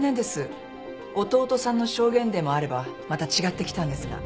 弟さんの証言でもあればまた違ってきたんですが。